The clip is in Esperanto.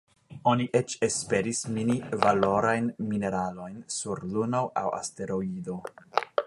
Oni eĉ esperis mini valorajn mineralojn sur Luno aŭ asteroidoj.